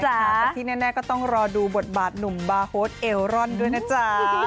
แต่ที่แน่ก็ต้องรอดูบทบาทหนุ่มบาร์โฮสเอลรอนด้วยนะจ๊ะ